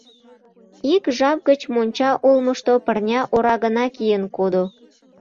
Ик жап гыч монча олмышто пырня ора гына киен кодо.